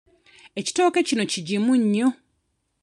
Ekitooke kino kigimu nnyo.